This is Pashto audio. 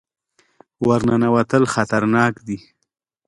ور ننوتل خطرناک دي.